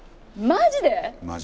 マジです。